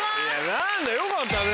何かよかったね。